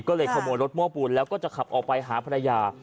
ก็เลยขโมยรถโม้ปูนแล้วก็จะขับออกไปหาภรรยา